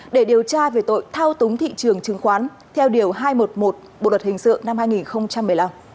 để điều tra về tội thao túng thị trường chứng khoán theo điều hai trăm một mươi một bộ luật hình sự năm hai nghìn một mươi năm